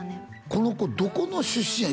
「この子どこの出身や？」